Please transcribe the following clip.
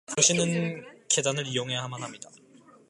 당신은 계단을 이용해야만 합니다.